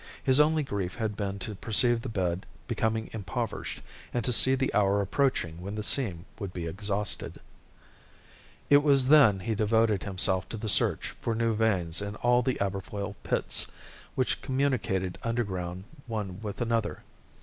His only grief had been to perceive the bed becoming impoverished, and to see the hour approaching when the seam would be exhausted. It was then he devoted himself to the search for new veins in all the Aberfoyle pits, which communicated underground one with another.